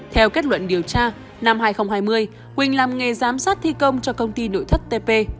theo kết luận điều tra năm hai nghìn hai mươi quỳnh làm nghề giám sát thi công cho công ty nội thất tp